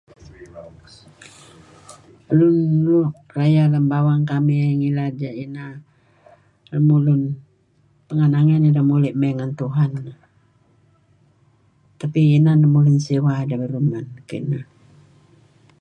Lun nuk rayeh ngen bawang kamih ngilad pengeh nangey nideh muli' mey ngan Tuhan tapi inan lun siwa deh ngi ruma'. Kineh.